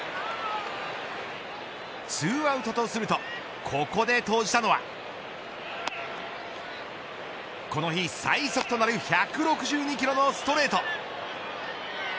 ２アウトとするとここで投じたのはこの日最速となる１６２キロのストレート。